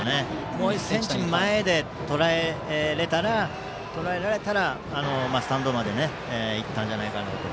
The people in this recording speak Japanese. もう１ｃｍ前でとらえられたらスタンドまでいったんじゃないかなと。